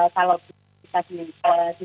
kalau kita di